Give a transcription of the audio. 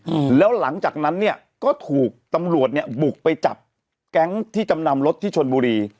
อืมแล้วหลังจากนั้นเนี้ยก็ถูกตำรวจเนี้ยบุกไปจับแก๊งที่จำนำรถที่ชนบุรี